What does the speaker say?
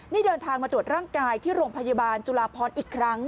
นี่เดินทางมาตรวจร่างกายที่โรงพยาบาลจุลาพรอีกครั้ง